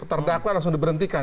terdakwa langsung diberhentikan